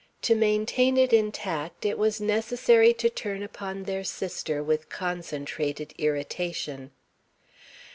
To maintain it intact, it was necessary to turn upon their sister with concentrated irritation.